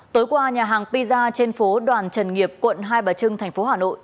tối qua nhà hàng pizza trên phố đoàn trần nghiệp quận hai bà trưng thành phố hà nội